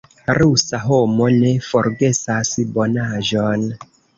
Rusa homo ne forgesas bonaĵon.